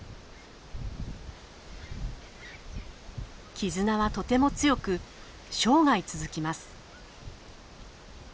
絆はとても強く生涯続きます。